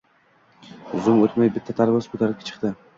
Zum oʻtmay bitta tarvuz koʻtarib chiqdi